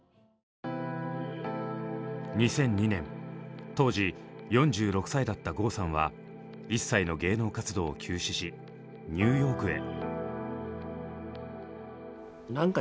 ２００２年当時４６歳だった郷さんは一切の芸能活動を休止しニューヨークへ。